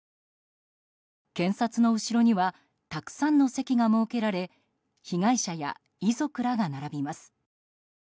検察の後ろにはたくさんの席が設けられ被害者や遺族らが並びます。